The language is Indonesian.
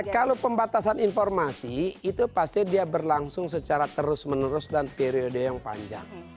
kalau pembatasan informasi itu pasti dia berlangsung secara terus menerus dan periode yang panjang